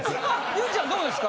結実ちゃんどうですか？